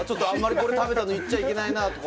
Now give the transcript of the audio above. これ食べたって言っちゃいけないなとか。